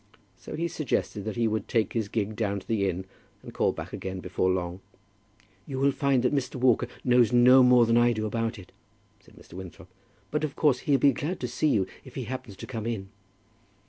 So he suggested that he would take his gig down to the inn, and call back again before long. "You'll find that Walker knows no more than I do about it," said Mr. Winthrop, "but of course he'll be glad to see you if he happens to come in."